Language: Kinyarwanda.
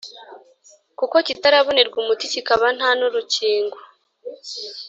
kuko kitarabonerwa umuti kikaba nta nurukingo